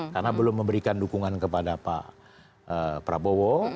karena belum memberikan dukungan kepada pak prabowo